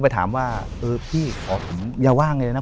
ไปถามว่าเออพี่อย่าว่าไงแล้วนะ